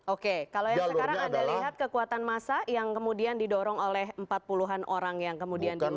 oke kalau yang sekarang anda lihat kekuatan massa yang kemudian didorong oleh empat puluhan orang yang kemudian diundang